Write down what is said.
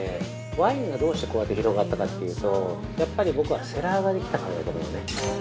ワインがどうしてこうやって広がったかっていうとやっぱり、僕はセラーができたからだと思うのね。